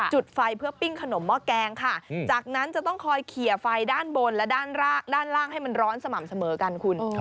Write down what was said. จุดไฟเพื่อปิ้งขนมหม้อแกงค่ะจากนั้นจะต้องคอยเขียไฟด้านบนและด้านล่างให้มันร้อนสม่ำเสมอกันคุณ